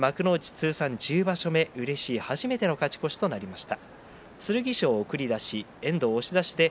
通算１０場所目初めての勝ち越しとなりました。